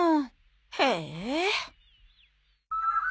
へえ。